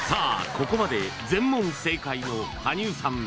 ここまで全問正解の羽生さん